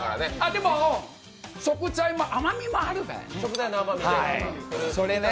でも食材の甘みもある。